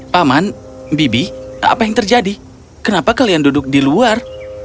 paman bibi apa yang terjadi kenapa kalian duduk di luar